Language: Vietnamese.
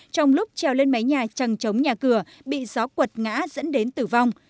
trong lúc treo lên máy nhà trăng trống nhà cửa bị gió quật ngã dẫn đến tử vong